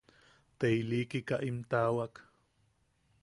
Te ilikika im taawak.